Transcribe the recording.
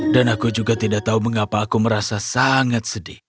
dan aku juga tidak tahu mengapa aku merasa sangat sedih